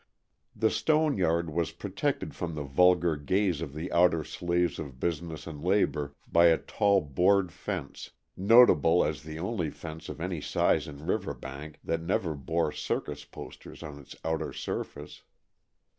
The stone yard was protected from the vulgar gaze of the outer slaves of business and labor by a tall board fence, notable as the only fence of any size in Riverbank that never bore circus posters on its outer surface.